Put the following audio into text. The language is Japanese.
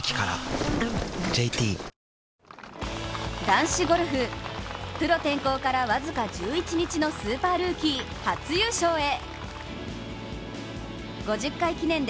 男子ゴルフ、プロ転向から僅か１１日のスーパールーキー、初優勝へ。